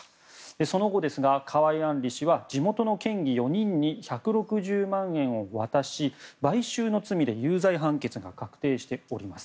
その後ですが、河井案里氏は地元の県議４人に１６０万円を渡し、買収の罪で有罪判決が確定しております。